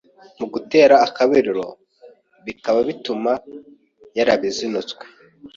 mu gutera akabariro bikaba bituma yarayizinutswe